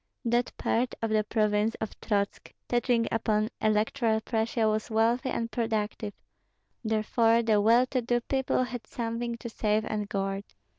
That part of the province of Trotsk touching upon Electoral Prussia was wealthy and productive; therefore the well to do people had something to save and guard.